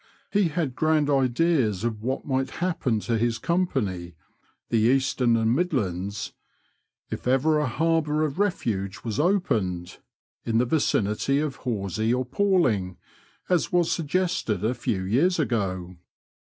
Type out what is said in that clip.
He had grand ideas of what might happen to his company (the Eastern and Midlands) '* if ever a harbour of refuge was opened in the vicinity of Horsey or Palling, as was suggested a few years ago.